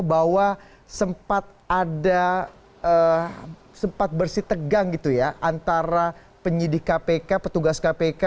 bahwa sempat bersih tegang antara penyidik kpk petugas kpk